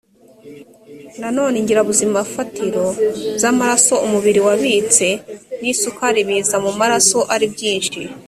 nanone ingirabuzimafatizo z amaraso umubiri wabitse n isukari biza mu maraso ari byinshi